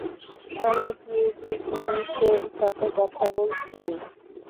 আমি কি বিঘ্নেশের সাথে কথা বলছি?